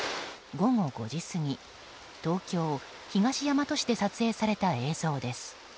午後５時過ぎ東京・東大和市で撮影された映像です。